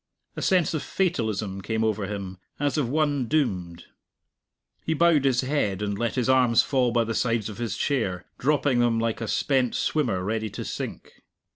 A sense of fatalism came over him, as of one doomed. He bowed his head, and let his arms fall by the sides of his chair, dropping them like a spent swimmer ready to sink.